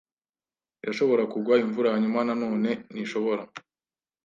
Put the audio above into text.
Irashobora kugwa imvura, hanyuma nanone, ntishobora.